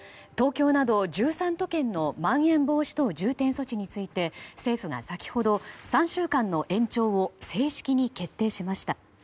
東京など１３都県のまん延防止等重点措置について政府は先ほど３週間の延長を正式に決定しました。